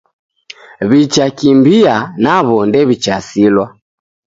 W'ichaakimbia naw'o ndew'ichaasilwa.